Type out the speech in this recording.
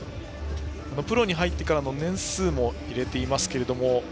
プロに入ってからの年数も入れています。